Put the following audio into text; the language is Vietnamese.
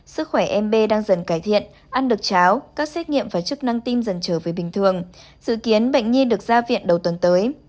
sức khỏe mb đang dần cải thiện ăn được cháo các xét nghiệm và chức năng tim dần trở về bình thường dự kiến bệnh nhiên được ra viện đầu tuần tới